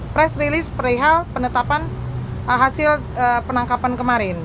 press release perihal penetapan hasil penangkapan kemarin